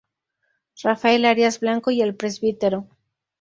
Rafael Arias Blanco y el Pbro.